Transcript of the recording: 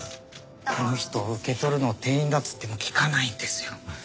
あの人受け取るの店員だって言っても聞かないんですよ。